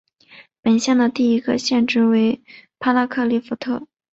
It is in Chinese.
本县的第一个县治为帕拉克利夫特。